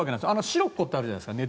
シロッコってあるじゃないですか